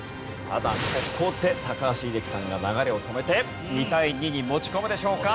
ただここで高橋英樹さんが流れを止めて２対２に持ち込むでしょうか？